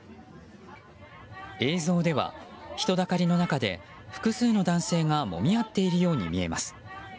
映像では人だかりの中で複数の男性がもみ合っているように見えます。